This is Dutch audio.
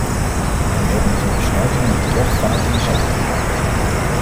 U hebt met uw besluiten nu terecht vaart in de zaak gebracht.